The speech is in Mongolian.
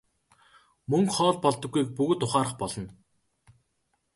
Мөнгө хоол болдоггүйг бүгд ухаарах болно.